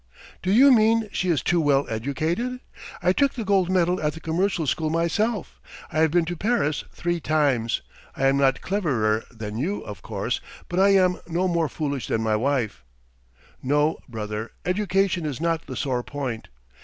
"Do you mean she is too well educated? ... I took the gold medal at the commercial school myself, I have been to Paris three times. I am not cleverer than you, of course, but I am no more foolish than my wife. No, brother, education is not the sore point.